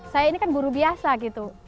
saya ini kan guru biasa gitu